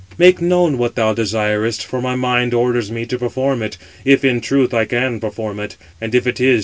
Make known what thou desirest, for my mind orders me to perform it, 594 if in truth I can perform it, and if it is to be performed."